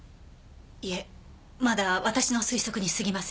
いえまだ私の推測にすぎません。